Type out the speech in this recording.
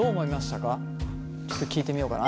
ちょっと聞いてみようかな。